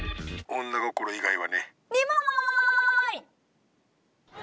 女心以外はね。